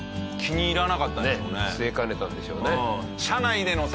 据えかねたんでしょうね。